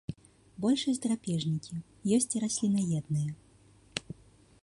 Большасць драпежнікі, ёсць і раслінаедныя.